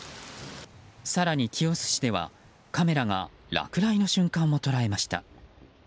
更に清須市ではカメラが落雷の瞬間を捉えました。